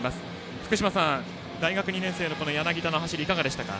福島さん、大学２年生の柳田の走りはいかがでしたか。